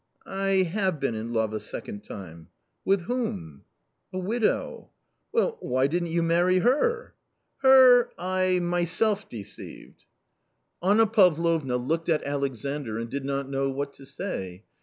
" I have been in love a second time." " With whom ?"" A widow." " Well, why didn't you marry her ?"" Her, I myself deceived." A COMMON STORY . 255 Anna Pavlovna looked at Alexandr and did not know what to say.